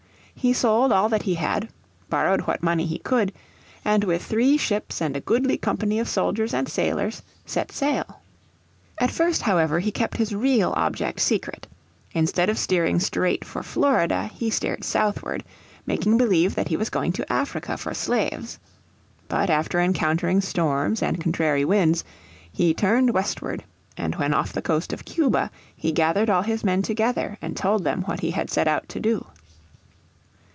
He sold all that he had, borrowed what money he could, and with three ships and a goodly company of soldiers and sailors set sail. At first, however, he kept, his real object secret. Instead of steering straight for Florida he steered southward, making believe that he was going to Africa for slaves. But after encountering storms and contrary winds he turned westward, and when off the coast of Cuba he gathered all his men together and told them what he had set out to do.